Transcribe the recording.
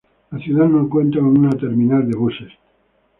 La ciudad no cuenta con un terminal de buses.